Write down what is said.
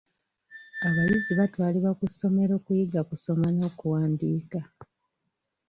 Abayizi batwalibwa ku ssomero kuyiga kusoma n'okuwandiika.